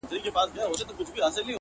سبا چي راسي د سبــا له دره ولــوېږي ـ